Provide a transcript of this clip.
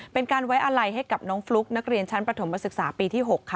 เป็นการไว้อาลัยให้กับน้องฟลุ๊กนักเรียนชั้นประถมศึกษาปีที่๖ค่ะ